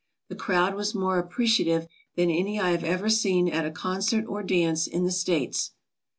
The crowd was more apprecia tive than any I have ever seen at a concert or dance in the States.